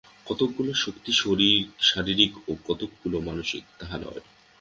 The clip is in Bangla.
কতকগুলি শক্তি শারীরিক ও কতকগুলি মানসিক, তাহা নয়।